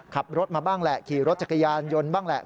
ขับรถมาบ้างแหละขี่รถจักรยานยนต์บ้างแหละ